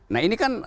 nah ini kan